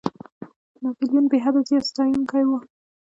ناپولیون بېحده زیات ستایونکی وو.